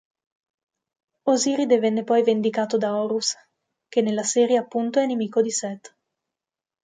Osiride venne poi vendicato da Horus, che nella serie appunto è nemico di Seth.